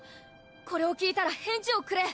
これを聞いたら返事をくれ。